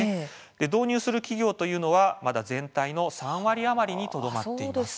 導入する企業は、まだ全体の３割余りにとどまっています。